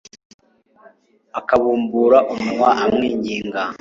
akabumbura umunwa amwinginga